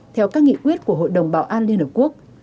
theo các nghị quyết của hội đồng bảo an liên hợp quốc